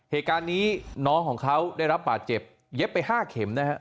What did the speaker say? เหตุการณ์นี้น้องของเขาได้รับบาดเจ็บเย็บไป๕เข็มนะฮะ